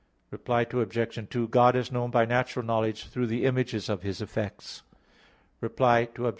Reply Obj. 2: God is known by natural knowledge through the images of His effects. Reply Obj.